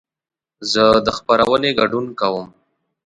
زه د خپرونې ګډون کوم.